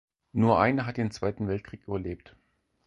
Nur eine hat den Zweiten Weltkrieg überlebt.